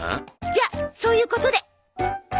じゃあそういうことで。